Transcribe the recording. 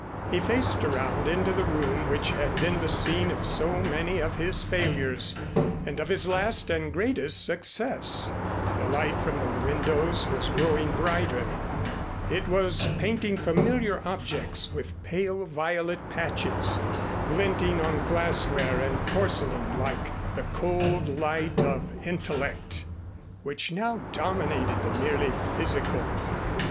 He faced around into the room which had been the scene of so many of his failures, and of his last and greatest success. The light from the windows was growing brighter. It was painting familiar objects with pale violet patches, glinting on glassware and porcelain like the cold light of intellect, which now dominated the merely physical.